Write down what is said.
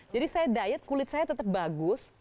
jadi saya diet kulit saya tetap bagus